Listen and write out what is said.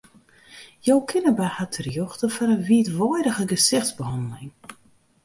Jo kinne by har terjochte foar in wiidweidige gesichtsbehanneling.